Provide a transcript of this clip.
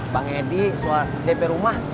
bang edi soal dp rumah